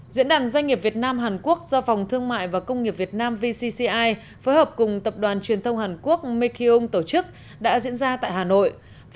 diễn đàn doanh nghiệp việt nam hàn quốc do phòng thương mại và công nghiệp việt nam vcci phối hợp cùng tập đoàn truyền thông hàn quốc mikeyung tổ chức đã diễn ra tại hà nội